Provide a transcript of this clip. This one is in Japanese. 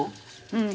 うん。